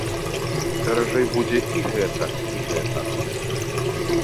Даражэй будзе і гэта, і гэта.